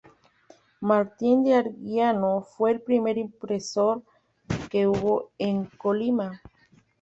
Martín de Anguiano fue el primer impresor que hubo en Colima.